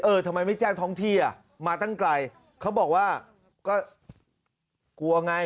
ทำไมไม่แจ้งท้องที่อ่ะมาตั้งไกลเขาบอกว่าก็กลัวไง